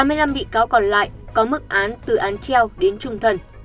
ba mươi năm bị cáo còn lại có mức án từ án treo đến trung thần